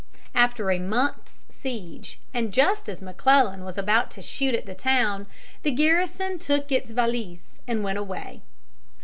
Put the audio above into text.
After a month's siege, and just as McClellan was about to shoot at the town, the garrison took its valise and went away.